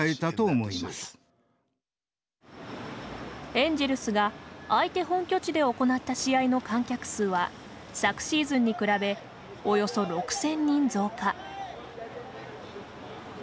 エンジェルスが相手本拠地で行った試合の観客数は昨シーズンに比べおよそ６，０００人増加。